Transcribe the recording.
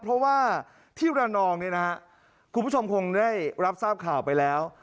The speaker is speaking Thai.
เพราะว่าที่ระนองเนี่ยนะฮะคุณผู้ชมคงได้รับทราบข่าวไปแล้ว